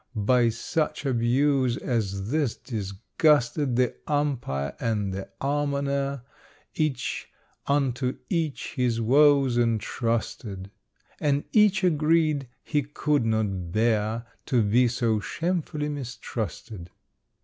By such abuse as this disgusted, The Umpire and the Almoner Each unto each his woes entrusted; And each agreed he could not bear To be so shamefully mistrusted.